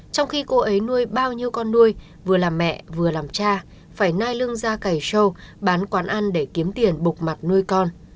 trong khi cô ấy nuôi bao nhiêu con nuôi vừa làm mẹ vừa làm cha phải nai lưng da cà show bán quán ăn để kiếm tiền bục mặt nuôi con